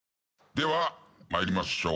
では参りましょう。